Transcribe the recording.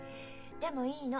でもいいの。